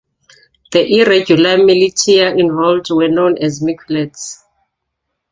The irregular militia involved were known as 'Miquelets'.